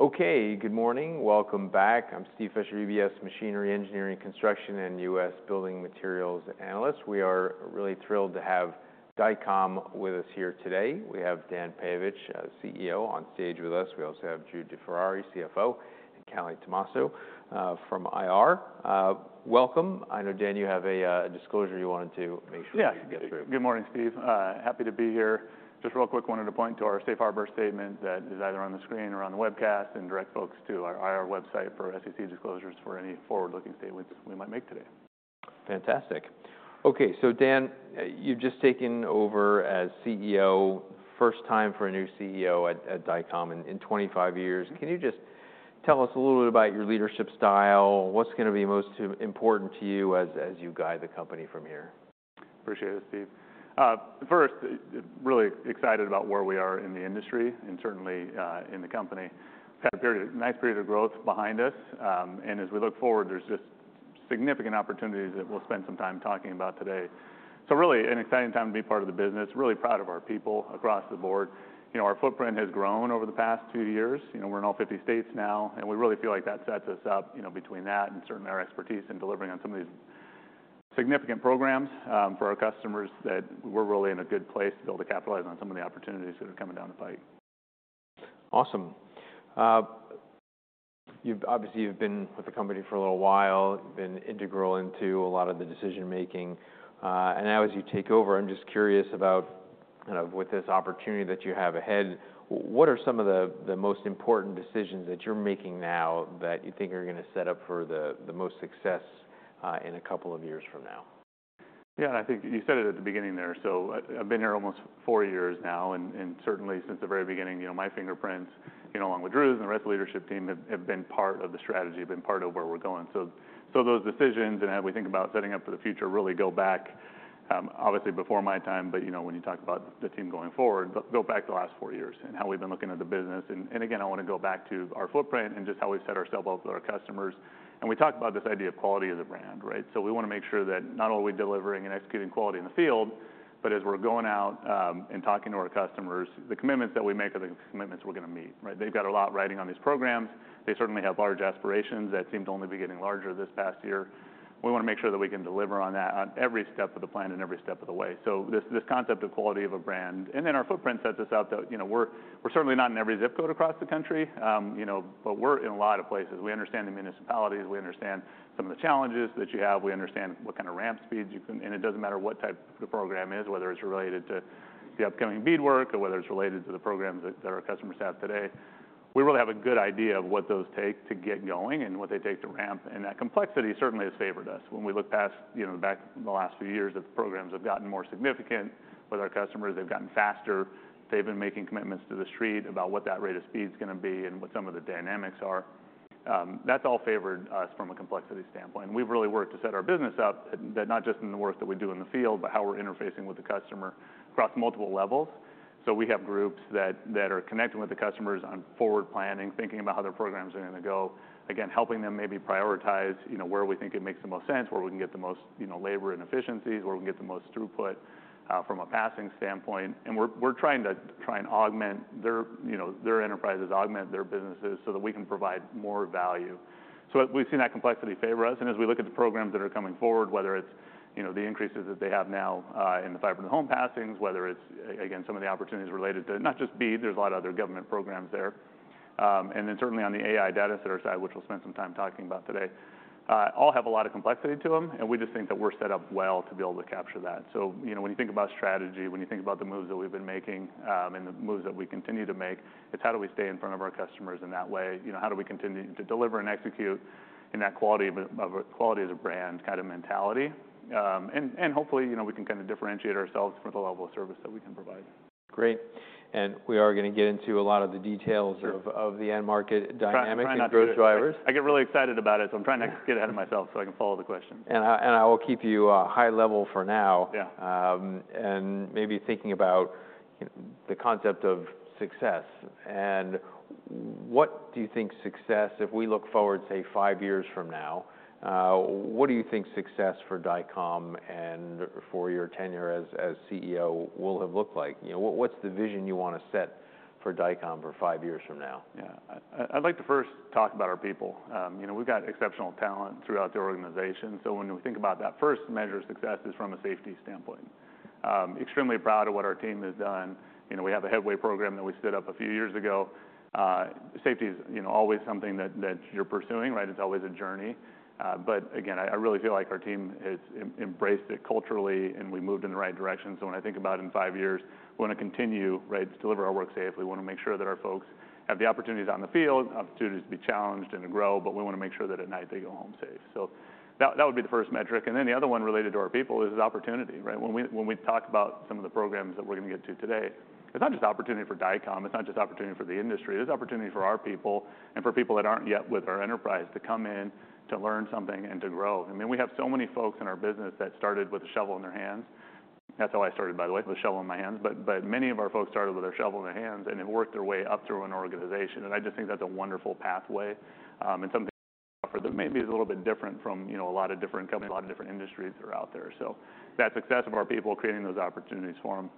Okay, good morning. Welcome back. I'm Steven Fisher, UBS Machinery Engineering Construction and U.S. Building Materials Analyst. We are really thrilled to have Dycom with us here today. We have Dan Peyovich, CEO, on stage with us. We also have Drew DeFerrari, CFO, and Callie Tomasso from IR. Welcome. I know, Dan, you have a disclosure you wanted to make sure we could get through. Yeah, good morning, Steve. Happy to be here. Just real quick, wanted to point to our safe harbor statement that is either on the screen or on the webcast and direct folks to our IR website for SEC disclosures for any forward-looking statements we might make today. Fantastic. Okay, so Dan, you've just taken over as CEO, first time for a new CEO at Dycom in 25 years. Can you just tell us a little bit about your leadership style? What's going to be most important to you as you guide the company from here? Appreciate it, Steve. First, really excited about where we are in the industry and certainly in the company. A nice period of growth behind us, and as we look forward, there's just significant opportunities that we'll spend some time talking about today, so really an exciting time to be part of the business. Really proud of our people across the board. Our footprint has grown over the past two years. We're in all 50 states now, and we really feel like that sets us up between that and certainly our expertise in delivering on some of these significant programs for our customers that we're really in a good place to be able to capitalize on some of the opportunities that are coming down the pike. Awesome. Obviously, you've been with the company for a little while. You've been integral into a lot of the decision-making. And now as you take over, I'm just curious about with this opportunity that you have ahead, what are some of the most important decisions that you're making now that you think are going to set up for the most success in a couple of years from now? Yeah, and I think you said it at the beginning there. So I've been here almost four years now, and certainly since the very beginning, my fingerprints along with Drew's and the rest of the leadership team have been part of the strategy, have been part of where we're going. So those decisions and how we think about setting up for the future really go back, obviously before my time, but when you talk about the team going forward, go back the last four years and how we've been looking at the business. And again, I want to go back to our footprint and just how we've set ourselves up with our customers. And we talked about this idea of quality as a brand, right? So we want to make sure that not only are we delivering and executing quality in the field, but as we're going out and talking to our customers, the commitments that we make are the commitments we're going to meet, right? They've got a lot riding on these programs. They certainly have large aspirations that seem to only be getting larger this past year. We want to make sure that we can deliver on that on every step of the plan and every step of the way. So this concept of quality of a brand and then our footprint sets us up that we're certainly not in every zip code across the country, but we're in a lot of places. We understand the municipalities. We understand some of the challenges that you have. We understand what kind of ramp speeds you can, and it doesn't matter what type of the program is, whether it's related to the upcoming BEAD work or whether it's related to the programs that our customers have today. We really have a good idea of what those take to get going and what they take to ramp. And that complexity certainly has favored us. When we look back the last few years, the programs have gotten more significant with our customers. They've gotten faster. They've been making commitments to the street about what that rate of speed is going to be and what some of the dynamics are. That's all favored us from a complexity standpoint. And we've really worked to set our business up, not just in the work that we do in the field, but how we're interfacing with the customer across multiple levels. We have groups that are connecting with the customers on forward planning, thinking about how their programs are going to go, again, helping them maybe prioritize where we think it makes the most sense, where we can get the most labor and efficiencies, where we can get the most throughput from a passing standpoint. We're trying to and augment their enterprises, augment their businesses so that we can provide more value. We've seen that complexity favor us. As we look at the programs that are coming forward, whether it's the increases that they have now in the fiber to home passings, whether it's, again, some of the opportunities related to not just BEAD, there's a lot of other government programs there. And then certainly on the AI data center side, which we'll spend some time talking about today, all have a lot of complexity to them, and we just think that we're set up well to be able to capture that. So when you think about strategy, when you think about the moves that we've been making and the moves that we continue to make, it's how do we stay in front of our customers in that way? How do we continue to deliver and execute in that quality as a brand kind of mentality? And hopefully, we can kind of differentiate ourselves for the level of service that we can provide. Great. And we are going to get into a lot of the details of the end market dynamics and growth drivers. I get really excited about it, so I'm trying to get ahead of myself so I can follow the question. And I will keep you high level for now and maybe thinking about the concept of success. And what do you think success, if we look forward, say, five years from now, what do you think success for Dycom and for your tenure as CEO will have looked like? What's the vision you want to set for Dycom for five years from now? Yeah, I'd like to first talk about our people. We've got exceptional talent throughout the organization. So when we think about that, first measure of success is from a safety standpoint. Extremely proud of what our team has done. We have a Headway program that we set up a few years ago. Safety is always something that you're pursuing, right? It's always a journey. But again, I really feel like our team has embraced it culturally and we moved in the right direction. So when I think about it in five years, we want to continue to deliver our work safely. We want to make sure that our folks have the opportunities on the field, opportunities to be challenged and to grow, but we want to make sure that at night they go home safe. So that would be the first metric. And then the other one related to our people is opportunity, right? When we talk about some of the programs that we're going to get to today, it's not just opportunity for Dycom. It's not just opportunity for the industry. It's opportunity for our people and for people that aren't yet with our enterprise to come in, to learn something, and to grow. I mean, we have so many folks in our business that started with a shovel in their hands. That's how I started, by the way, with a shovel in my hands. But many of our folks started with their shovel in their hands and have worked their way up through an organization. And I just think that's a wonderful pathway and something to offer that may be a little bit different from a lot of different companies, a lot of different industries that are out there. So that success of our people creating those opportunities for them.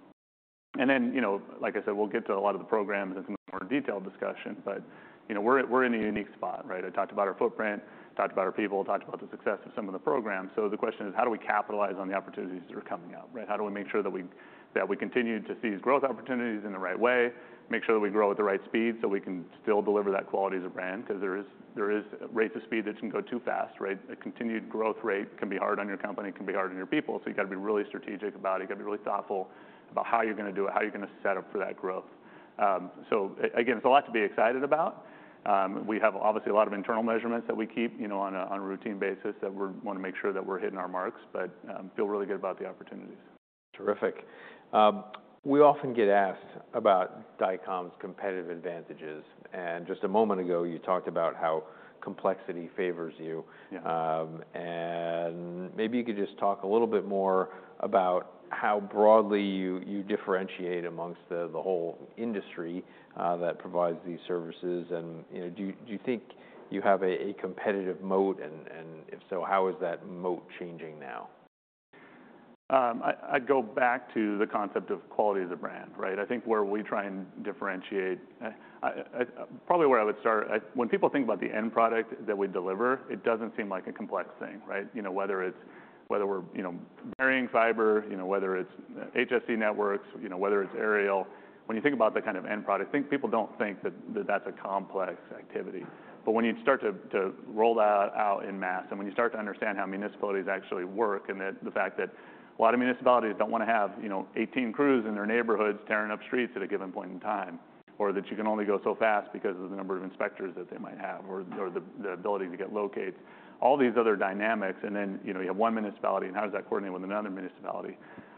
And then, like I said, we'll get to a lot of the programs in some more detailed discussion, but we're in a unique spot, right? I talked about our footprint, talked about our people, talked about the success of some of the programs. So the question is, how do we capitalize on the opportunities that are coming out, right? How do we make sure that we continue to see these growth opportunities in the right way, make sure that we grow at the right speed so we can still deliver that quality as a brand? Because there is rates of speed that can go too fast, right? A continued growth rate can be hard on your company, can be hard on your people. So you've got to be really strategic about it. You've got to be really thoughtful about how you're going to do it, how you're going to set up for that growth. So again, it's a lot to be excited about. We have obviously a lot of internal measurements that we keep on a routine basis that we want to make sure that we're hitting our marks, but feel really good about the opportunities. Terrific. We often get asked about Dycom's competitive advantages. And just a moment ago, you talked about how complexity favors you. And maybe you could just talk a little bit more about how broadly you differentiate amongst the whole industry that provides these services. And do you think you have a competitive moat? And if so, how is that moat changing now? I'd go back to the concept of quality as a brand, right? I think where we try and differentiate, probably where I would start, when people think about the end product that we deliver, it doesn't seem like a complex thing, right? Whether it's burying fiber, whether it's HFC networks, whether it's aerial. When you think about the kind of end product, I think people don't think that that's a complex activity. But when you start to roll that out en masse and when you start to understand how municipalities actually work and the fact that a lot of municipalities don't want to have 18 crews in their neighborhoods tearing up streets at a given point in time, or that you can only go so fast because of the number of inspectors that they might have or the ability to get locates, all these other dynamics, and then you have one municipality and how does that coordinate with another municipality?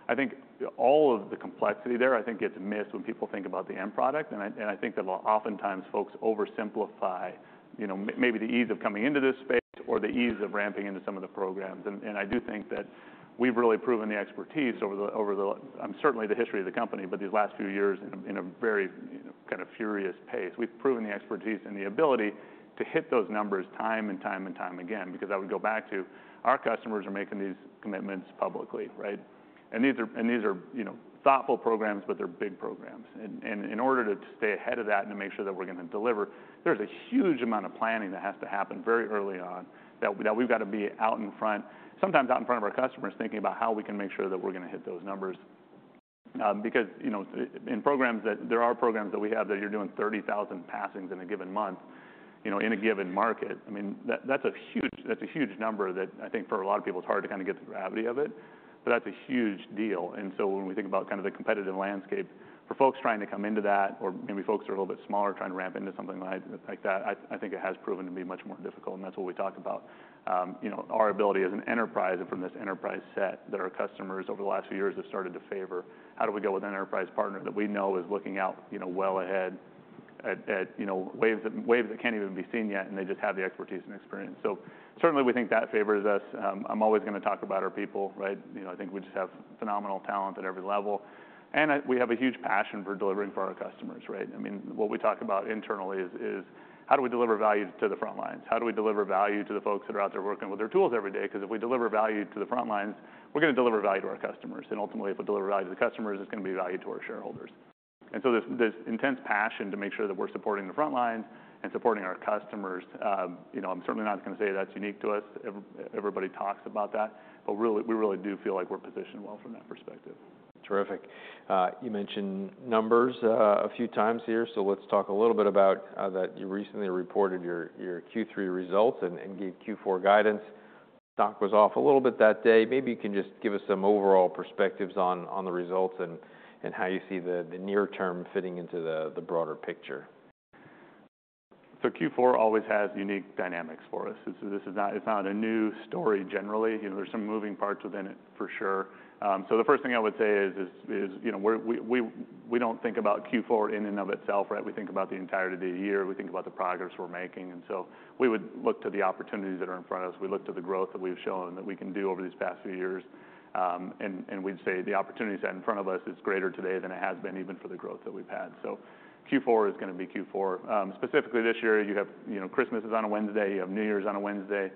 I think all of the complexity there, I think, gets missed when people think about the end product. And I think that oftentimes folks oversimplify maybe the ease of coming into this space or the ease of ramping into some of the programs. I do think that we've really proven the expertise over the history of the company, but these last few years in a very kind of furious pace. We've proven the expertise and the ability to hit those numbers time and time and time again because our customers are making these commitments publicly, right? These are thoughtful programs, but they're big programs. In order to stay ahead of that and to make sure that we're going to deliver, there's a huge amount of planning that has to happen very early on that we've got to be out in front, sometimes out in front of our customers thinking about how we can make sure that we're going to hit those numbers. Because in programs, there are programs that we have that you're doing 30,000 passings in a given month in a given market. I mean, that's a huge number that I think for a lot of people, it's hard to kind of get the gravity of it, but that's a huge deal. And so when we think about kind of the competitive landscape for folks trying to come into that or maybe folks who are a little bit smaller trying to ramp into something like that, I think it has proven to be much more difficult. And that's what we talk about, our ability as an enterprise and from this enterprise set that our customers over the last few years have started to favor. How do we go with an enterprise partner that we know is looking out well ahead at waves that can't even be seen yet and they just have the expertise and experience? So certainly we think that favors us. I'm always going to talk about our people, right? I think we just have phenomenal talent at every level. And we have a huge passion for delivering for our customers, right? I mean, what we talk about internally is how do we deliver value to the front lines? How do we deliver value to the folks that are out there working with their tools every day? Because if we deliver value to the front lines, we're going to deliver value to our customers. And ultimately, if we deliver value to the customers, it's going to be value to our shareholders. This intense passion to make sure that we're supporting the front lines and supporting our customers. I'm certainly not going to say that's unique to us. Everybody talks about that, but we really do feel like we're positioned well from that perspective. Terrific. You mentioned numbers a few times here. So let's talk a little bit about that, you recently reported your Q3 results and gave Q4 guidance. Stock was off a little bit that day. Maybe you can just give us some overall perspectives on the results and how you see the near term fitting into the broader picture. Q4 always has unique dynamics for us. It's not a new story generally. There's some moving parts within it for sure. The first thing I would say is we don't think about Q4 in and of itself, right? We think about the entirety of the year. We think about the progress we're making. We would look to the opportunities that are in front of us. We look to the growth that we've shown that we can do over these past few years. We'd say the opportunities that are in front of us is greater today than it has been even for the growth that we've had. Q4 is going to be Q4. Specifically this year, you have Christmas on a Wednesday. You have New Year's on a Wednesday.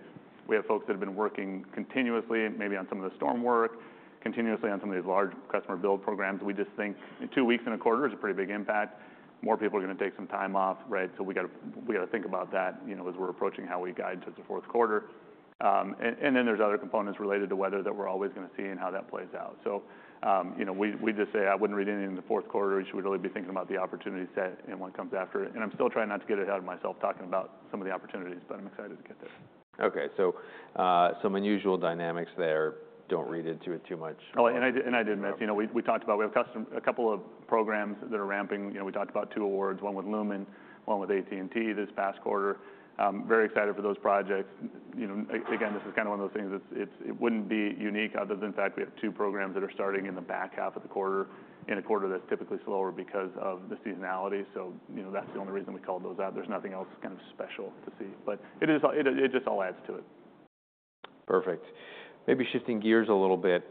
We have folks that have been working continuously, maybe on some of the storm work, continuously on some of these large customer build programs. We just think two weeks in a quarter is a pretty big impact. More people are going to take some time off, right? So we got to think about that as we're approaching how we guide towards the fourth quarter. And then there's other components related to weather that we're always going to see and how that plays out. So we just say, I wouldn't read anything in the fourth quarter. We should really be thinking about the opportunity set and what comes after it. And I'm still trying not to get ahead of myself talking about some of the opportunities, but I'm excited to get there. Okay. So some unusual dynamics there. Don't read into it too much. Oh, and I did miss. We talked about we have a couple of programs that are ramping. We talked about two awards, one with Lumen, one with AT&T this past quarter. Very excited for those projects. Again, this is kind of one of those things that it wouldn't be unique other than the fact we have two programs that are starting in the back half of the quarter, in a quarter that's typically slower because of the seasonality. So that's the only reason we called those out. There's nothing else kind of special to see, but it just all adds to it. Perfect. Maybe shifting gears a little bit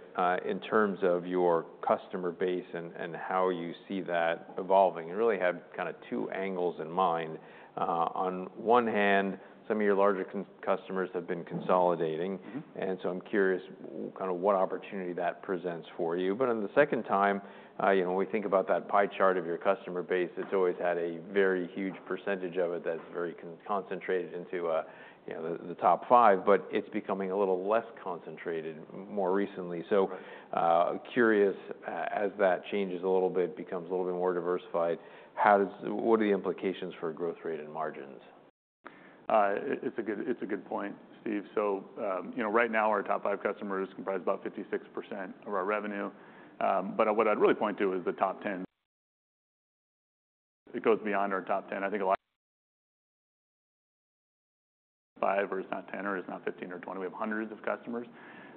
in terms of your customer base and how you see that evolving. You really have kind of two angles in mind. On one hand, some of your larger customers have been consolidating. And so I'm curious kind of what opportunity that presents for you. But on the second time, when we think about that pie chart of your customer base, it's always had a very huge percentage of it that's very concentrated into the top five, but it's becoming a little less concentrated more recently. So curious, as that changes a little bit, becomes a little bit more diversified, what are the implications for growth rate and margins? It's a good point, Steve. So right now, our top five customers comprise about 56% of our revenue. But what I'd really point to is the top 10. It goes beyond our top 10. I think a lot of five or it's not 10 or it's not 15 or 20. We have hundreds of customers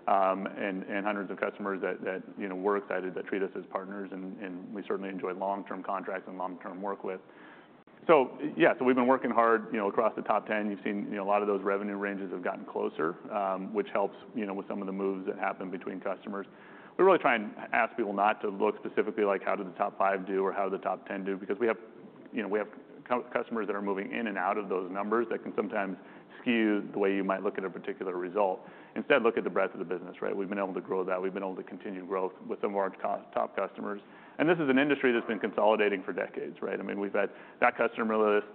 and hundreds of customers that we're excited that treat us as partners. And we certainly enjoy long-term contracts and long-term work with. So yeah, so we've been working hard across the top 10. You've seen a lot of those revenue ranges have gotten closer, which helps with some of the moves that happen between customers. We're really trying to ask people not to look specifically like how did the top five do or how did the top 10 do because we have customers that are moving in and out of those numbers that can sometimes skew the way you might look at a particular result. Instead, look at the breadth of the business, right? We've been able to grow that. We've been able to continue growth with some of our top customers. And this is an industry that's been consolidating for decades, right? I mean, we've had that customer list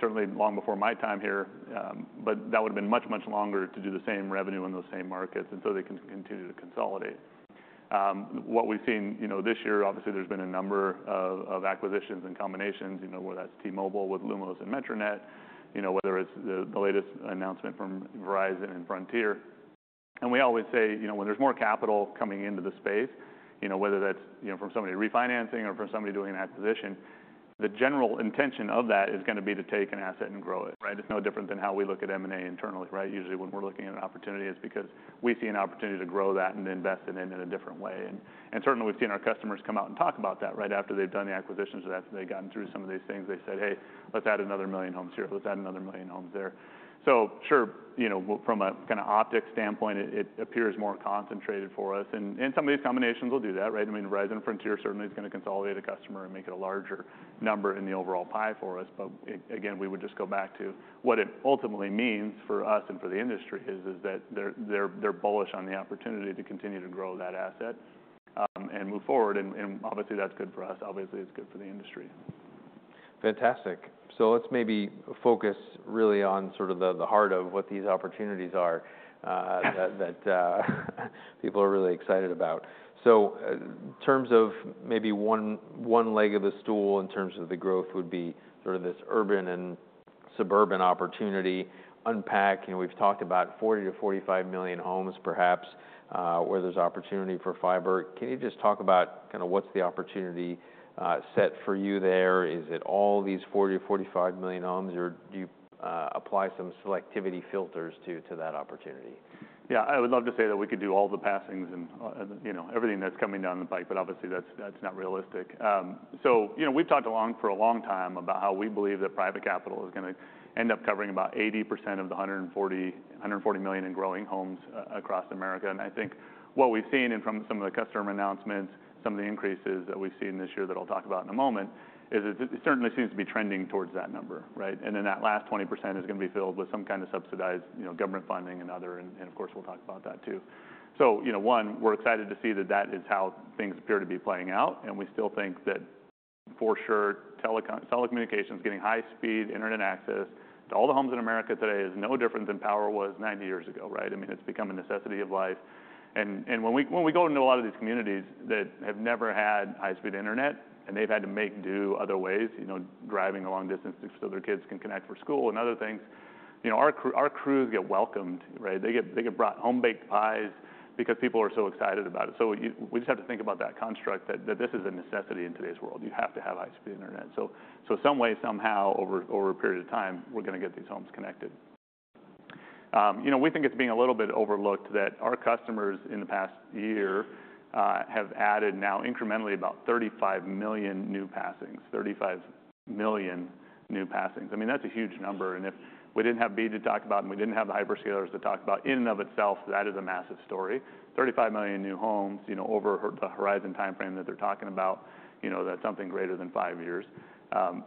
certainly long before my time here, but that would have been much, much longer to do the same revenue in those same markets. And so they can continue to consolidate. What we've seen this year, obviously, there's been a number of acquisitions and combinations, whether that's T-Mobile with Lumos and Metronet, whether it's the latest announcement from Verizon and Frontier. And we always say when there's more capital coming into the space, whether that's from somebody refinancing or from somebody doing an acquisition, the general intention of that is going to be to take an asset and grow it, right? It's no different than how we look at M&A internally, right? Usually when we're looking at an opportunity, it's because we see an opportunity to grow that and invest in it in a different way. And certainly, we've seen our customers come out and talk about that right after they've done the acquisitions or after they've gotten through some of these things. They said, "Hey, let's add another million homes here. Let's add another million homes there." So sure, from a kind of optic standpoint, it appears more concentrated for us. And some of these combinations will do that, right? I mean, Verizon and Frontier certainly is going to consolidate a customer and make it a larger number in the overall pie for us. But again, we would just go back to what it ultimately means for us and for the industry is that they're bullish on the opportunity to continue to grow that asset and move forward. And obviously, that's good for us. Obviously, it's good for the industry. Fantastic. So let's maybe focus really on sort of the heart of what these opportunities are that people are really excited about. So in terms of maybe one leg of the stool in terms of the growth would be sort of this urban and suburban opportunity unpack. We've talked about 40-45 million homes perhaps where there's opportunity for fiber. Can you just talk about kind of what's the opportunity set for you there? Is it all these 40-45 million homes, or do you apply some selectivity filters to that opportunity? Yeah, I would love to say that we could do all the passings and everything that's coming down the pike, but obviously, that's not realistic. So we've talked for a long time about how we believe that private capital is going to end up covering about 80% of the 140 million in growing homes across America. And I think what we've seen and from some of the customer announcements, some of the increases that we've seen this year that I'll talk about in a moment is it certainly seems to be trending towards that number, right? And then that last 20% is going to be filled with some kind of subsidized government funding and other. And of course, we'll talk about that too. So one, we're excited to see that that is how things appear to be playing out. And we still think that for sure, telecommunications getting high-speed internet access to all the homes in America today is no different than power was 90 years ago, right? I mean, it's become a necessity of life. And when we go into a lot of these communities that have never had high-speed internet and they've had to make do other ways, driving a long distance so their kids can connect for school and other things, our crews get welcomed, right? They get brought home baked pies because people are so excited about it. So we just have to think about that construct that this is a necessity in today's world. You have to have high-speed internet. So some way, somehow, over a period of time, we're going to get these homes connected. We think it's being a little bit overlooked that our customers in the past year have added now incrementally about 35 million new passings, 35 million new passings. I mean, that's a huge number, and if we didn't have BEAD to talk about and we didn't have the hyperscalers to talk about, in and of itself, that is a massive story. 35 million new homes over the horizon timeframe that they're talking about, that's something greater than five years.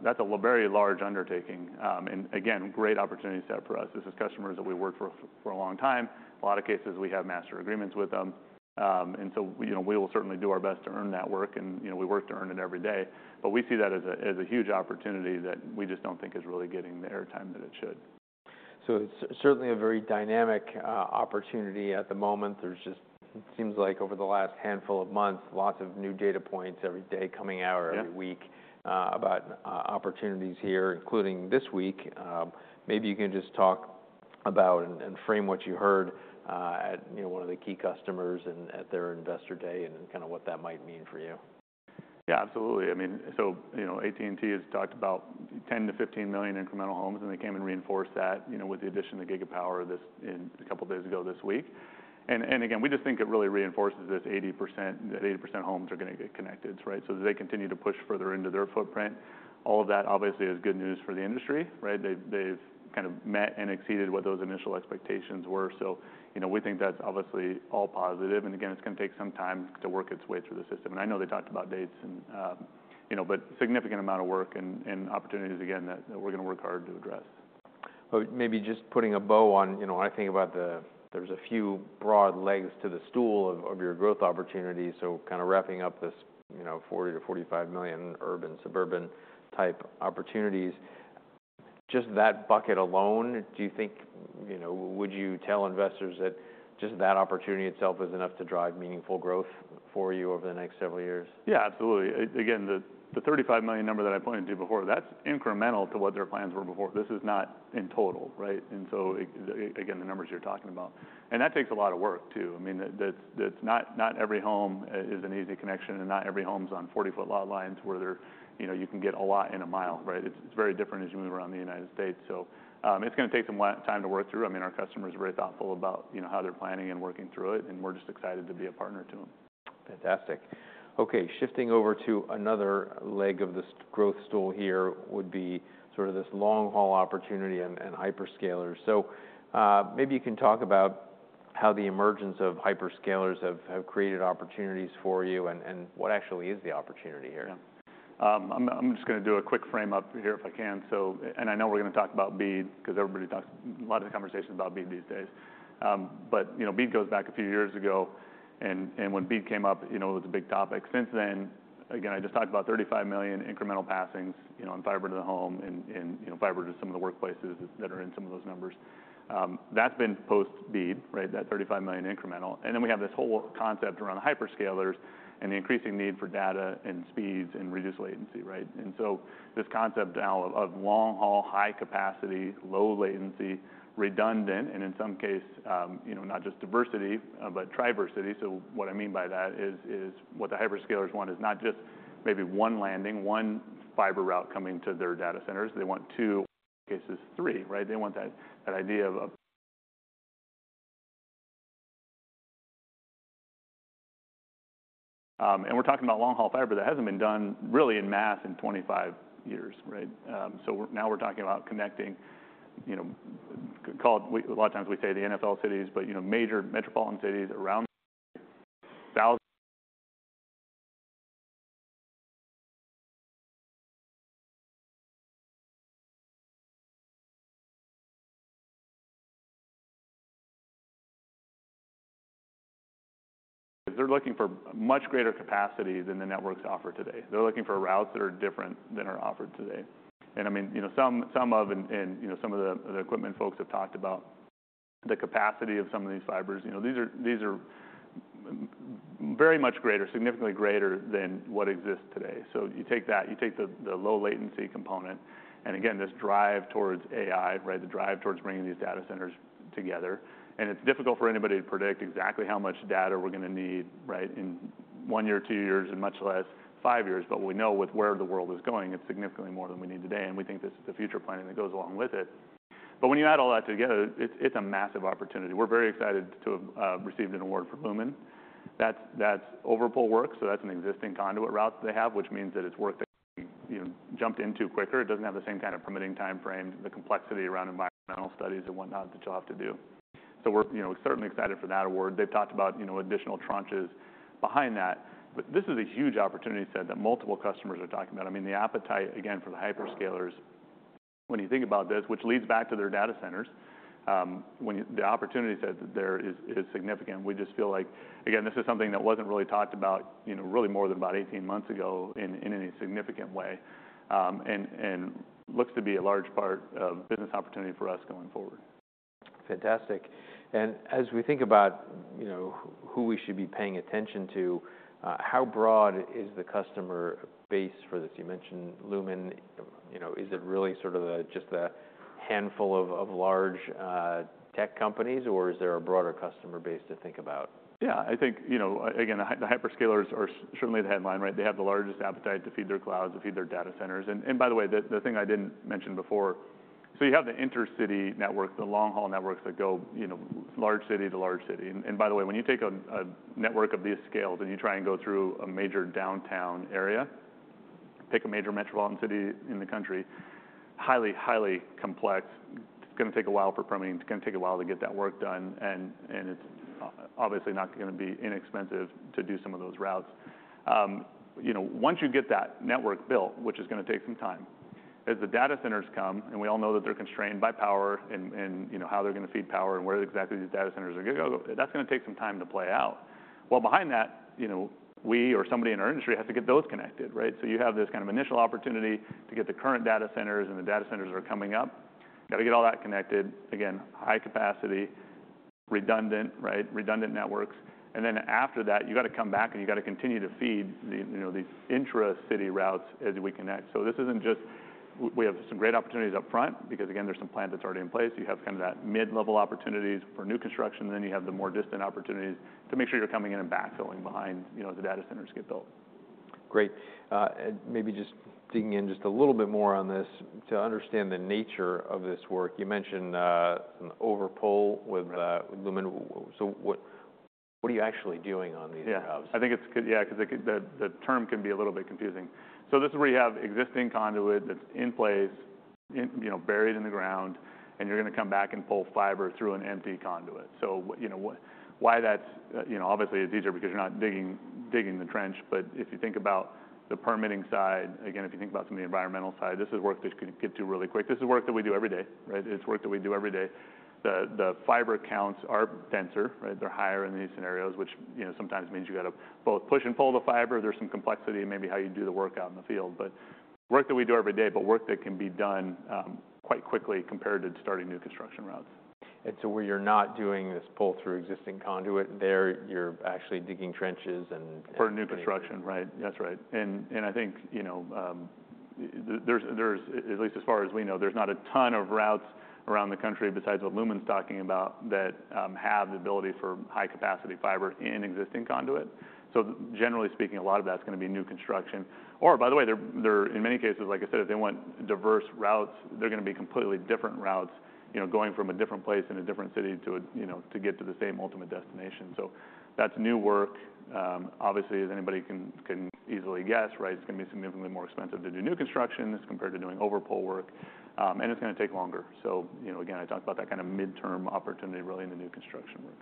That's a very large undertaking, and again, great opportunity set for us. This is customers that we've worked for a long time. In a lot of cases, we have master agreements with them, and so we will certainly do our best to earn that work, and we work to earn it every day. But we see that as a huge opportunity that we just don't think is really getting there at time that it should. So it's certainly a very dynamic opportunity at the moment. There's just, it seems like over the last handful of months, lots of new data points every day coming out or every week about opportunities here, including this week. Maybe you can just talk about and frame what you heard at one of the key customers and at their investor day and kind of what that might mean for you. Yeah, absolutely. I mean, so AT&T has talked about 10-15 million incremental homes, and they came and reinforced that with the addition of Gigapower a couple of days ago this week. And again, we just think it really reinforces this 80% that 80% homes are going to get connected, right? So they continue to push further into their footprint. All of that obviously is good news for the industry, right? They've kind of met and exceeded what those initial expectations were. So we think that's obviously all positive. And again, it's going to take some time to work its way through the system. And I know they talked about dates, but significant amount of work and opportunities, again, that we're going to work hard to address. But maybe just putting a bow on, I think about there's a few broad legs to the stool of your growth opportunity. So kind of wrapping up this 40-45 million urban/suburban-type opportunities, just that bucket alone, do you think? Would you tell investors that just that opportunity itself is enough to drive meaningful growth for you over the next several years? Yeah, absolutely. Again, the 35 million number that I pointed to before, that's incremental to what their plans were before. This is not in total, right? And so again, the numbers you're talking about. And that takes a lot of work too. I mean, not every home is an easy connection, and not every home's on 40-foot lot lines where you can get a lot in a mile, right? It's very different as you move around the United States. So it's going to take some time to work through. I mean, our customers are very thoughtful about how they're planning and working through it, and we're just excited to be a partner to them. Fantastic. Okay, shifting over to another leg of this growth stool here would be sort of this long-haul opportunity and hyperscalers. So maybe you can talk about how the emergence of hyperscalers have created opportunities for you and what actually is the opportunity here. I'm just going to do a quick frame-up here if I can, and I know we're going to talk about BEAD because everybody talks a lot of conversations about BEAD these days, but BEAD goes back a few years ago, and when BEAD came up, it was a big topic. Since then, again, I just talked about 35 million incremental passings on fiber to the home and fiber to some of the workplaces that are in some of those numbers. That's been post-BEAD, right? That 35 million incremental, and then we have this whole concept around hyperscalers and the increasing need for data and speeds and reduced latency, right, and so this concept now of long-haul, high-capacity, low-latency, redundant, and in some cases, not just diversity, but riversity. So what I mean by that is what the hyperscalers want is not just maybe one landing, one fiber route coming to their data centers. They want two, in some cases three, right? They want that idea of. And we're talking about long-haul fiber that hasn't been done really en masse in 25 years, right? So now we're talking about connecting a lot of times we say the NFL cities, but major metropolitan cities around. They're looking for much greater capacity than the networks offer today. They're looking for routes that are different than are offered today. And I mean, some of the equipment folks have talked about the capacity of some of these fibers. These are very much greater, significantly greater than what exists today. So you take the low latency component and again, this drive towards AI, right? The drive towards bringing these data centers together. And it's difficult for anybody to predict exactly how much data we're going to need, right? In one year, two years, and much less five years. But we know with where the world is going, it's significantly more than we need today. And we think this is the future planning that goes along with it. But when you add all that together, it's a massive opportunity. We're very excited to have received an award for Lumen. That's overpull work. So that's an existing conduit route that they have, which means that it's work that jumped into quicker. It doesn't have the same kind of permitting timeframe, the complexity around environmental studies and whatnot that you'll have to do. So we're certainly excited for that award. They've talked about additional trenches behind that. But this is a huge opportunity set that multiple customers are talking about. I mean, the appetite, again, for the hyperscalers, when you think about this, which leads back to their data centers, the opportunity set there is significant. We just feel like, again, this is something that wasn't really talked about really more than about 18 months ago in any significant way and looks to be a large part of business opportunity for us going forward. Fantastic. And as we think about who we should be paying attention to, how broad is the customer base for this? You mentioned Lumen. Is it really sort of just a handful of large tech companies, or is there a broader customer base to think about? Yeah, I think, again, the hyperscalers are certainly the headline, right? They have the largest appetite to feed their clouds, to feed their data centers. And by the way, the thing I didn't mention before, so you have the intercity network, the long-haul networks that go large city to large city. And by the way, when you take a network of these scales and you try and go through a major downtown area, pick a major metropolitan city in the country, highly, highly complex, it's going to take a while for permitting. It's going to take a while to get that work done. And it's obviously not going to be inexpensive to do some of those routes. Once you get that network built, which is going to take some time, as the data centers come, and we all know that they're constrained by power and how they're going to feed power and where exactly these data centers are going to go, that's going to take some time to play out. Well, behind that, we or somebody in our industry has to get those connected, right? So you have this kind of initial opportunity to get the current data centers and the data centers that are coming up. You got to get all that connected. Again, high capacity, redundant, right? Redundant networks. And then after that, you got to come back and you got to continue to feed these intra-city routes as we connect. So this isn't just we have some great opportunities upfront because, again, there's some plan that's already in place. You have kind of that mid-level opportunities for new construction, then you have the more distant opportunities to make sure you're coming in and backfilling behind as the data centers get built. Great. Maybe just digging in just a little bit more on this to understand the nature of this work. You mentioned some overpull with Lumen. So what are you actually doing on these routes? Yeah, I think it's good. Yeah, because the term can be a little bit confusing. So this is where you have existing conduit that's in place, buried in the ground, and you're going to come back and pull fiber through an empty conduit. So why that's obviously it's easier because you're not digging the trench. But if you think about the permitting side, again, if you think about some of the environmental side, this is work that you can get to really quick. This is work that we do every day, right? It's work that we do every day. The fiber counts are denser, right? They're higher in these scenarios, which sometimes means you got to both push and pull the fiber. There's some complexity in maybe how you do the work out in the field. But work that we do every day, work that can be done quite quickly compared to starting new construction routes. Where you're not doing this pull through existing conduit, there you're actually digging trenches and. For new construction, right? That's right. And I think at least as far as we know, there's not a ton of routes around the country besides what Lumen's talking about that have the ability for high-capacity fiber in existing conduit. So generally speaking, a lot of that's going to be new construction. Or by the way, in many cases, like I said, if they want diverse routes, they're going to be completely different routes going from a different place in a different city to get to the same ultimate destination. So that's new work. Obviously, as anybody can easily guess, right? It's going to be significantly more expensive to do new construction as compared to doing overpull work. And it's going to take longer. So again, I talked about that kind of midterm opportunity really in the new construction work.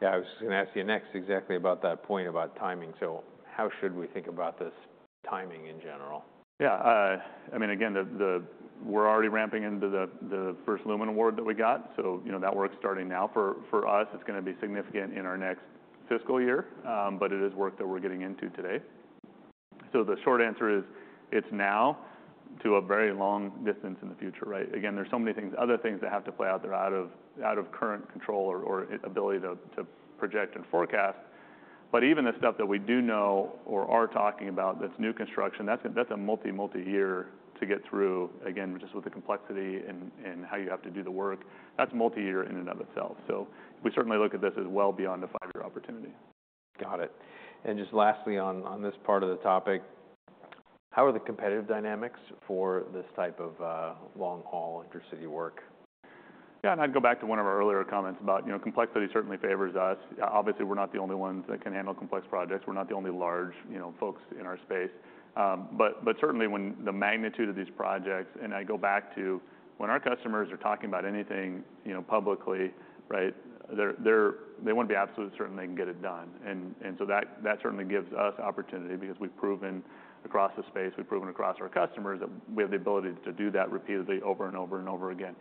Yeah, I was just going to ask you next exactly about that point about timing. So how should we think about this timing in general? Yeah. I mean, again, we're already ramping into the first Lumen award that we got. So that work's starting now for us. It's going to be significant in our next fiscal year, but it is work that we're getting into today. So the short answer is it's now to a very long distance in the future, right? Again, there's so many other things that have to play out that are out of current control or ability to project and forecast. But even the stuff that we do know or are talking about that's new construction, that's a multi, multi-year to get through, again, just with the complexity and how you have to do the work. That's multi-year in and of itself. So we certainly look at this as well beyond a five-year opportunity. Got it. And just lastly on this part of the topic, how are the competitive dynamics for this type of long-haul intercity work? Yeah, and I'd go back to one of our earlier comments about complexity certainly favors us. Obviously, we're not the only ones that can handle complex projects. We're not the only large folks in our space. But certainly when the magnitude of these projects, and I go back to when our customers are talking about anything publicly, right? They want to be absolutely certain they can get it done. And so that certainly gives us opportunity because we've proven across the space, we've proven across our customers that we have the ability to do that repeatedly over and over and over again.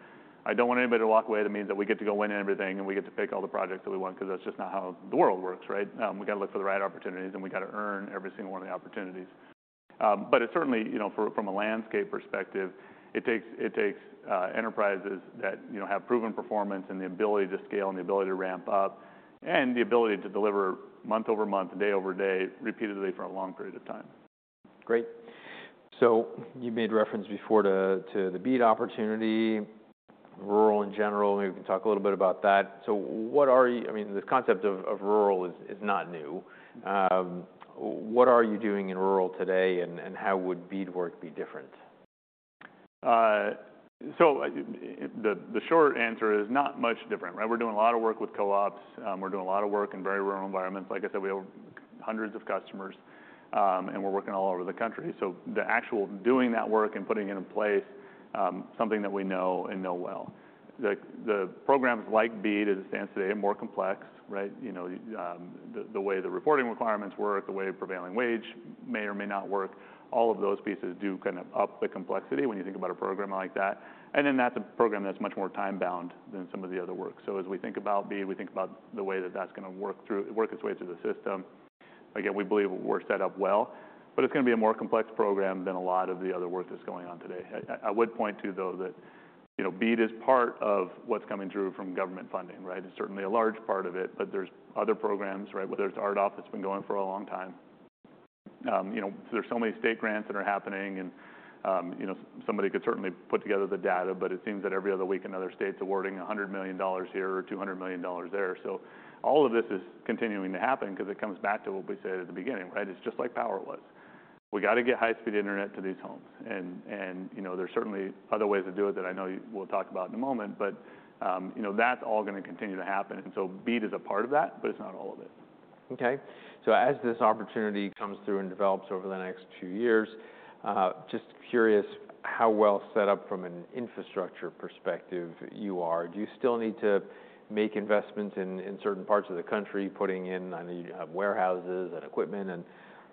I don't want anybody to walk away that means that we get to go win everything and we get to pick all the projects that we want because that's just not how the world works, right? We got to look for the right opportunities, and we got to earn every single one of the opportunities. But it's certainly from a landscape perspective, it takes enterprises that have proven performance and the ability to scale and the ability to ramp up and the ability to deliver month over month, day over day, repeatedly for a long period of time. Great. So you made reference before to the BEAD opportunity, rural in general. Maybe we can talk a little bit about that. So what are you? I mean, this concept of rural is not new. What are you doing in rural today, and how would BEAD work be different? The short answer is not much different, right? We're doing a lot of work with co-ops. We're doing a lot of work in very rural environments. Like I said, we have hundreds of customers, and we're working all over the country. The actual doing that work and putting it in place is something that we know and know well. The programs like BEAD, as it stands today, are more complex, right? The way the reporting requirements work, the way prevailing wage may or may not work, all of those pieces do kind of up the complexity when you think about a program like that. Then that's a program that's much more time-bound than some of the other work. As we think about BEAD, we think about the way that that's going to work its way through the system. Again, we believe we're set up well, but it's going to be a more complex program than a lot of the other work that's going on today. I would point to, though, that BEAD is part of what's coming through from government funding, right? It's certainly a large part of it, but there's other programs, right? Whether it's RDOF that's been going for a long time. There's so many state grants that are happening, and somebody could certainly put together the data, but it seems that every other week another state's awarding $100 million here or $200 million there. So all of this is continuing to happen because it comes back to what we said at the beginning, right? It's just like power was. We got to get high-speed internet to these homes. There's certainly other ways to do it that I know we'll talk about in a moment, but that's all going to continue to happen. BEAD is a part of that, but it's not all of it. Okay. So as this opportunity comes through and develops over the next few years, just curious how well set up from an infrastructure perspective you are? Do you still need to make investments in certain parts of the country, putting in, I know you have warehouses and equipment and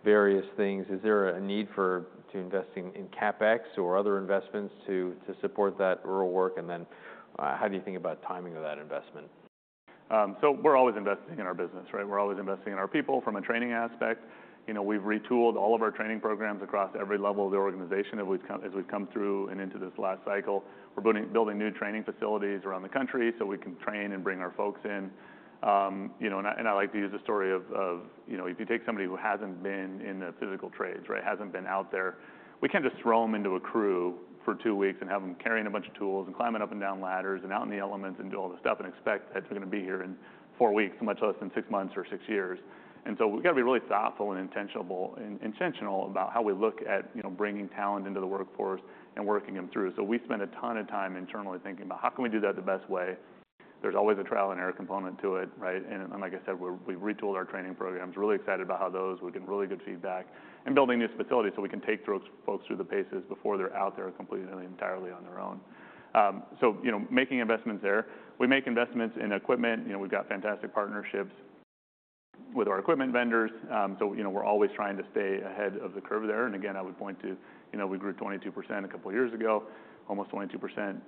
various things? Is there a need to invest in CapEx or other investments to support that rural work? And then how do you think about timing of that investment? So we're always investing in our business, right? We're always investing in our people from a training aspect. We've retooled all of our training programs across every level of the organization as we've come through and into this last cycle. We're building new training facilities around the country so we can train and bring our folks in. And I like to use the story of if you take somebody who hasn't been in the physical trades, right, hasn't been out there, we can't just throw them into a crew for two weeks and have them carrying a bunch of tools and climbing up and down ladders and out in the elements and do all this stuff and expect that they're going to be here in four weeks, much less in six months or six years. And so we got to be really thoughtful and intentional about how we look at bringing talent into the workforce and working them through. So we spend a ton of time internally thinking about how can we do that the best way. There's always a trial and error component to it, right? And like I said, we've retooled our training programs. Really excited about how those we're getting really good feedback and building these facilities so we can take folks through the paces before they're out there completely and entirely on their own. So making investments there. We make investments in equipment. We've got fantastic partnerships with our equipment vendors. So we're always trying to stay ahead of the curve there. And again, I would point to we grew 22% a couple of years ago, almost 22%.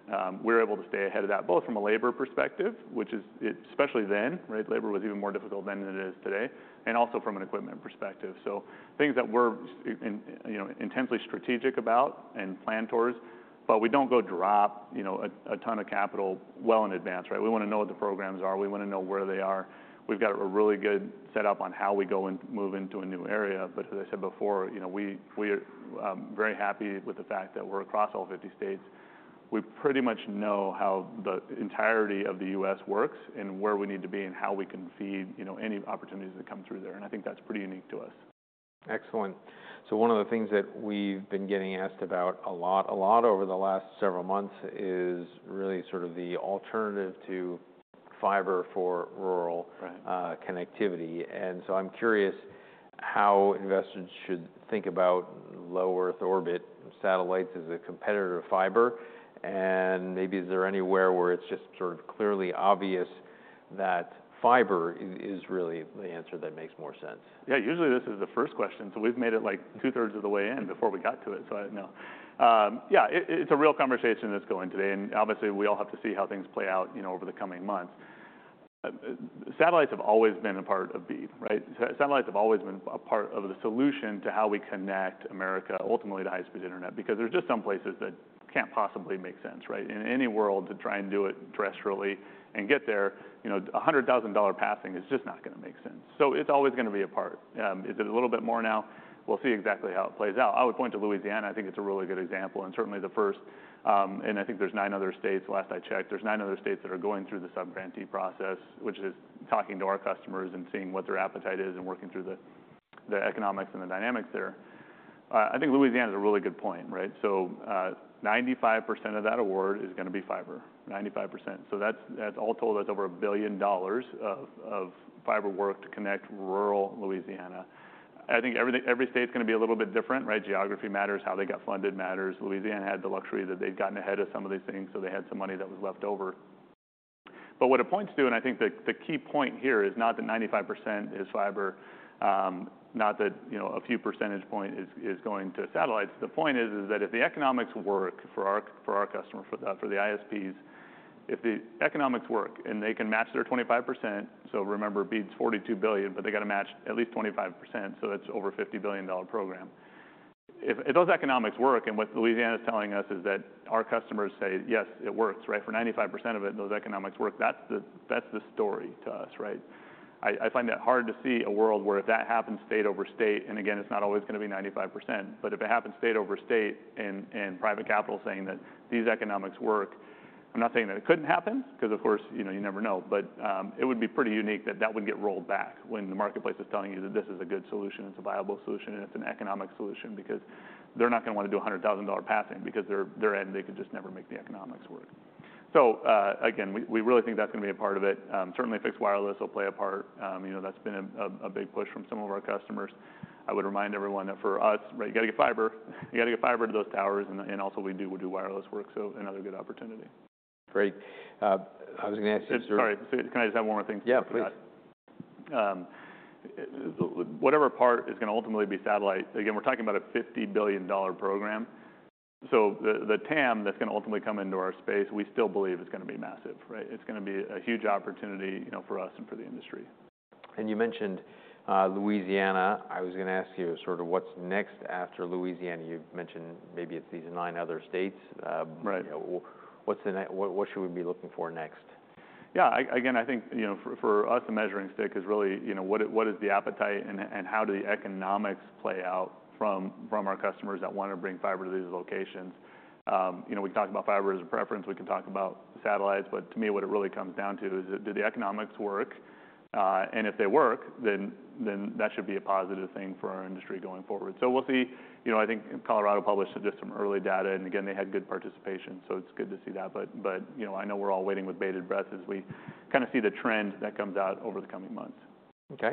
We're able to stay ahead of that both from a labor perspective, which is especially then, right? Labor was even more difficult than it is today, and also from an equipment perspective. So things that we're intensely strategic about and plan towards, but we don't go drop a ton of capital well in advance, right? We want to know what the programs are. We want to know where they are. We've got a really good setup on how we go and move into a new area. But as I said before, we are very happy with the fact that we're across all 50 states. We pretty much know how the entirety of the U.S. works and where we need to be and how we can feed any opportunities that come through there. And I think that's pretty unique to us. Excellent. So one of the things that we've been getting asked about a lot, a lot over the last several months is really sort of the alternative to fiber for rural connectivity. And so I'm curious how investors should think about Low Earth Orbit satellites as a competitor to fiber. And maybe is there anywhere where it's just sort of clearly obvious that fiber is really the answer that makes more sense? Yeah, usually this is the first question. So we've made it like two-thirds of the way in before we got to it. So I know. Yeah, it's a real conversation that's going today. And obviously, we all have to see how things play out over the coming months. Satellites have always been a part of BEAD, right? Satellites have always been a part of the solution to how we connect America, ultimately to high-speed internet because there's just some places that can't possibly make sense, right? In any world to try and do it terrestrially and get there, $100,000 passing is just not going to make sense. So it's always going to be a part. Is it a little bit more now? We'll see exactly how it plays out. I would point to Louisiana. I think it's a really good example and certainly the first. I think there's nine other states. Last I checked, there's nine other states that are going through the subgrantee process, which is talking to our customers and seeing what their appetite is and working through the economics and the dynamics there. I think Louisiana is a really good point, right? So 95% of that award is going to be fiber. 95%. So that's all told, that's over $1 billion of fiber work to connect rural Louisiana. I think every state's going to be a little bit different, right? Geography matters. How they got funded matters. Louisiana had the luxury that they'd gotten ahead of some of these things, so they had some money that was left over. But what it points to, and I think the key point here is not that 95% is fiber, not that a few percentage points is going to satellites. The point is that if the economics work for our customer, for the ISPs, if the economics work and they can match their 25%. So remember, BEAD's $42 billion, but they got to match at least 25%. So that's over a $50 billion program. If those economics work and what Louisiana is telling us is that our customers say, "Yes, it works," right? For 95% of it, those economics work. That's the story to us, right? I find that hard to see a world where if that happens state over state, and again, it's not always going to be 95%, but if it happens state over state and private capital saying that these economics work. I'm not saying that it couldn't happen because, of course, you never know, but it would be pretty unique that that would get rolled back when the marketplace is telling you that this is a good solution, it's a viable solution, and it's an economic solution because they're not going to want to do a $100,000 passing because they could just never make the economics work. So again, we really think that's going to be a part of it. Certainly, fixed wireless will play a part. That's been a big push from some of our customers. I would remind everyone that for us, right, you got to get fiber. You got to get fiber to those towers, and also we do wireless work. So another good opportunity. Great. I was going to ask you. Sorry. Can I just have one more thing? Yeah, please. Whatever part is going to ultimately be satellite, again, we're talking about a $50 billion program. So the TAM that's going to ultimately come into our space, we still believe it's going to be massive, right? It's going to be a huge opportunity for us and for the industry. And you mentioned Louisiana. I was going to ask you sort of what's next after Louisiana. You've mentioned maybe it's these nine other states. What should we be looking for next? Yeah. Again, I think for us, the measuring stick is really what is the appetite and how do the economics play out from our customers that want to bring fiber to these locations? We can talk about fiber as a preference. We can talk about satellites, but to me, what it really comes down to is do the economics work? And if they work, then that should be a positive thing for our industry going forward. So we'll see. I think Colorado published just some early data, and again, they had good participation. So it's good to see that. But I know we're all waiting with bated breath as we kind of see the trend that comes out over the coming months. Okay.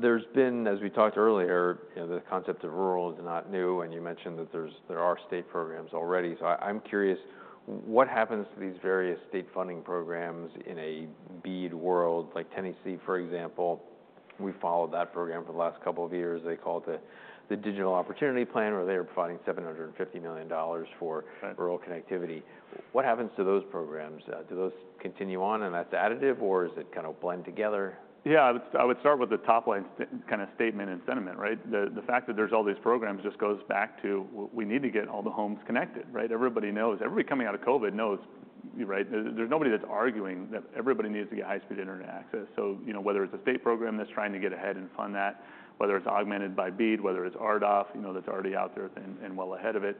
There's been, as we talked earlier, the concept of rural is not new, and you mentioned that there are state programs already. So I'm curious, what happens to these various state funding programs in a BEAD world like Tennessee, for example? We've followed that program for the last couple of years. They call it the Digital Opportunity Plan, where they are providing $750 million for rural connectivity. What happens to those programs? Do those continue on and that's additive, or is it kind of blend together? Yeah, I would start with the top line kind of statement and sentiment, right? The fact that there's all these programs just goes back to we need to get all the homes connected, right? Everybody knows. Everybody coming out of COVID knows, right? There's nobody that's arguing that everybody needs to get high-speed internet access. So whether it's a state program that's trying to get ahead and fund that, whether it's augmented by BEAD, whether it's RDOF that's already out there and well ahead of it,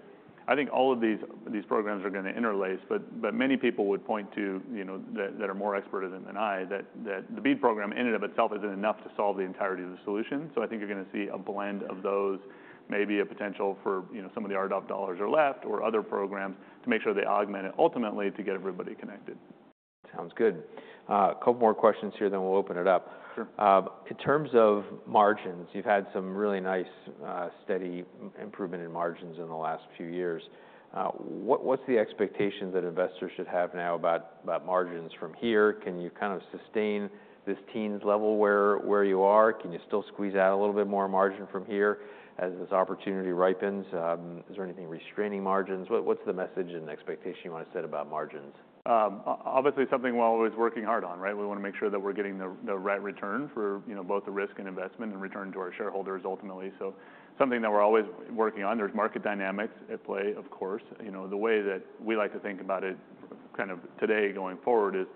I think all of these programs are going to interlace. But many people would point to that are more expert than I that the BEAD program in and of itself isn't enough to solve the entirety of the solution. So, I think you're going to see a blend of those, maybe a potential for some of the RDOF dollars are left or other programs to make sure they augment it ultimately to get everybody connected. Sounds good. A couple more questions here, then we'll open it up. In terms of margins, you've had some really nice steady improvement in margins in the last few years. What's the expectation that investors should have now about margins from here? Can you kind of sustain this teens level where you are? Can you still squeeze out a little bit more margin from here as this opportunity ripens? Is there anything restraining margins? What's the message and expectation you want to set about margins? Obviously, something we're always working hard on, right? We want to make sure that we're getting the right return for both the risk and investment and return to our shareholders ultimately, so something that we're always working on. There's market dynamics at play, of course. The way that we like to think about it kind of today going forward is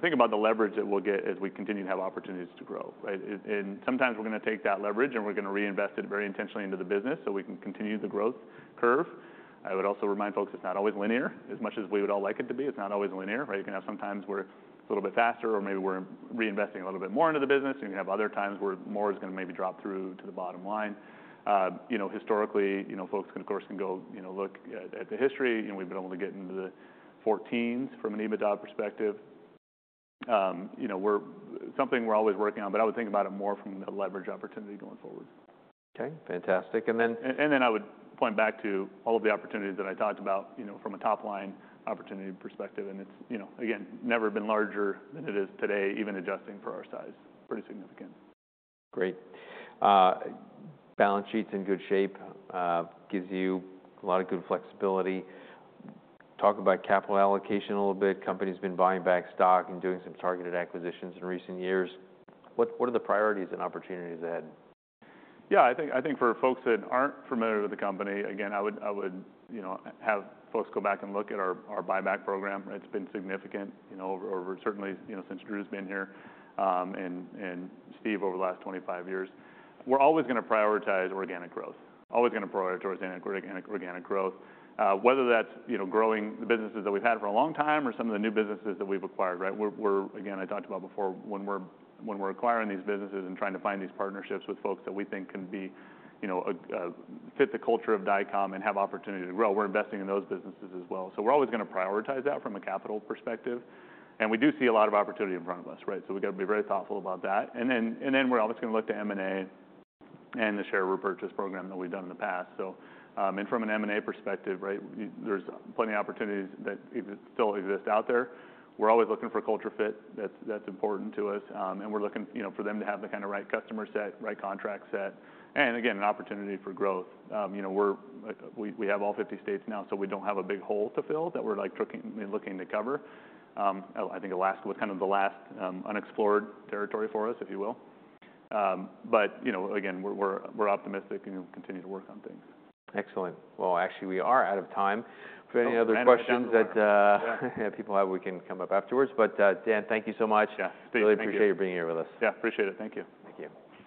think about the leverage that we'll get as we continue to have opportunities to grow, right, and sometimes we're going to take that leverage and we're going to reinvest it very intentionally into the business so we can continue the growth curve. I would also remind folks it's not always linear. As much as we would all like it to be, it's not always linear, right? You can have some times where it's a little bit faster or maybe we're reinvesting a little bit more into the business. You can have other times where more is going to maybe drop through to the bottom line. Historically, folks can, of course, go look at the history. We've been able to get into the 14s from an EBITDA perspective. Something we're always working on, but I would think about it more from the leverage opportunity going forward. Okay. Fantastic. And then. And then I would point back to all of the opportunities that I talked about from a top line opportunity perspective. And it's, again, never been larger than it is today, even adjusting for our size. Pretty significant. Great. Balance sheet's in good shape. Gives you a lot of good flexibility. Talk about capital allocation a little bit. Company's been buying back stock and doing some targeted acquisitions in recent years. What are the priorities and opportunities ahead? Yeah, I think for folks that aren't familiar with the company, again, I would have folks go back and look at our buyback program. It's been significant over certainly since Drew's been here and Steve over the last 25 years. We're always going to prioritize organic growth. Always going to prioritize organic growth. Whether that's growing the businesses that we've had for a long time or some of the new businesses that we've acquired, right? Again, I talked about before when we're acquiring these businesses and trying to find these partnerships with folks that we think can fit the culture of Dycom and have opportunity to grow, we're investing in those businesses as well, so we're always going to prioritize that from a capital perspective, and we do see a lot of opportunity in front of us, right, so we got to be very thoughtful about that. We're always going to look to M&A and the share repurchase program that we've done in the past. So from an M&A perspective, right, there's plenty of opportunities that still exist out there. We're always looking for culture fit. That's important to us. And we're looking for them to have the kind of right customer set, right contract set. And again, an opportunity for growth. We have all 50 states now, so we don't have a big hole to fill that we're looking to cover. I think Alaska was kind of the last unexplored territory for us, if you will. But again, we're optimistic and we'll continue to work on things. Excellent. Well, actually, we are out of time. If any other questions that people have, we can come up afterwards. But Dan, thank you so much. Really appreciate your being here with us. Yeah, appreciate it. Thank you. Thank you.